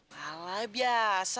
malah biasa lah